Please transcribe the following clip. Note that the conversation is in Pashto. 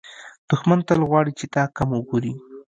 دښمن تل غواړي چې تا کم وګوري